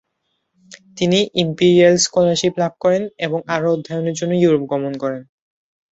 তিনি imperial scholarship লাভ করেন এবং আরও অধ্যয়নের জন্য ইউরোপ গমন করেন।